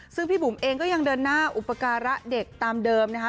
ซึ่งพี่บุ๋มเองก็ยังเดินหน้าอุปการะเด็กตามเดิมนะคะ